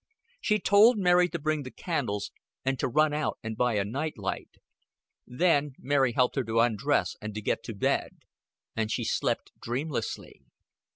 She told Mary to bring the candles, and to run out and buy a night light. Then Mary helped her to undress and to get to bed; and she slept dreamlessly.